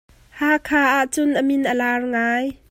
Hakha ahcun a min a lang ngai.